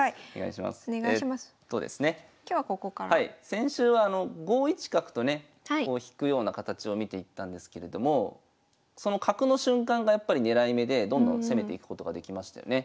先週は５一角とね引くような形を見ていったんですけれどもその角の瞬間がやっぱり狙い目でどんどん攻めていくことができましたよね。